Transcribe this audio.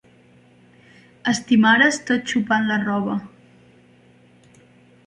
Estimares tot xopant la roba.